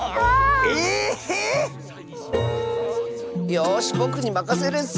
⁉よしぼくにまかせるッス！